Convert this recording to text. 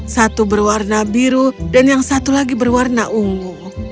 satu berwarna biru dan yang satu lagi berwarna ungu